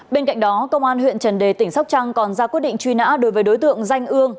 bên cạnh đó công an huyện trần đề tỉnh sóc trăng còn ra quyết định truy nã đối với đối tượng danh ương